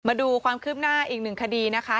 มาดูความคืบหน้าอีกหนึ่งคดีนะคะ